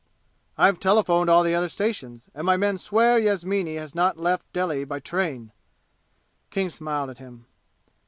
"I've telephoned all the other stations, and my men swear Yasmini has not left Delhi by train!" King smiled at him.